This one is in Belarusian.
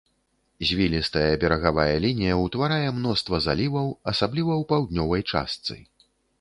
Звілістая берагавая лінія ўтварае мноства заліваў, асабліва ў паўднёвай частцы.